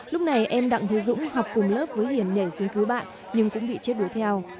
lúc này em đặng thế dũng học cùng lớp với hiển nhảy xuống cứu bạn nhưng cũng bị chết đuối theo